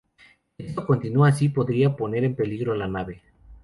Si esto continua así podría poner en peligro a la nave.